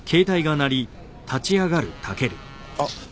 あっ。